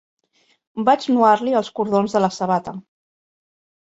Vaig nuar-li els cordons de la sabata.